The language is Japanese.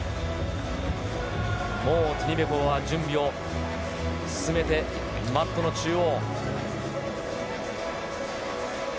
もうティニベコワは準備を進めて、マットの中央。